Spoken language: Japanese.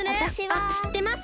あっしってます。